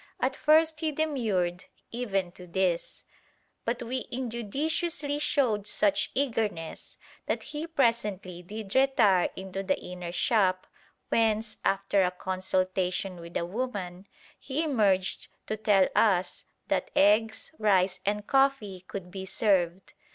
At first he demurred even to this, but we injudiciously showed such eagerness that he presently did retire into the inner shop, whence, after a consultation with a woman, he emerged to tell us that eggs, rice, and coffee could be served.